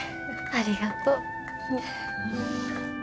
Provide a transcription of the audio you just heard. ありがとう。